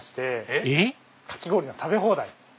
えっ？かき氷の食べ放題。